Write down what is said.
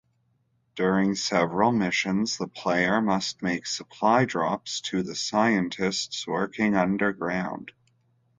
During several missions, the player must make supply drops to the scientists working underground.